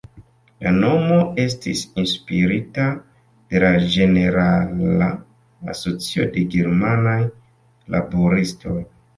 La nomo estis inspirita de la Ĝenerala Asocio de Germanaj Laboristoj.